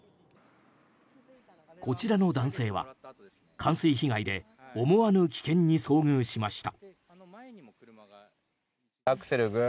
こちらの男性は冠水被害で思わぬ危険に遭遇しました。